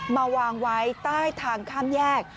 มาวางไว้ใต้ทางข้ามแยก